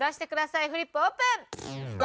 フリップオープン！